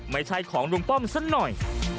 ไม่ใช่ของลุงป้อมสักหน่อย